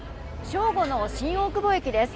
正午の新大久保駅です。